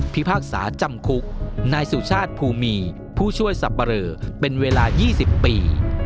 พากษาจำคุกนายสุชาติภูมีผู้ช่วยสับปะเรอเป็นเวลา๒๐ปี